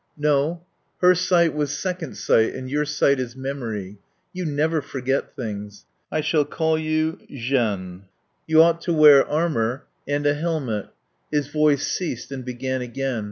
"No. Her sight was second sight; and your sight is memory. You never forget things.... I shall call you Jeanne. You ought to wear armour and a helmet." His voice ceased and began again.